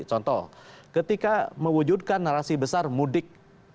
contoh ketika mewujudkan narasi besar mudik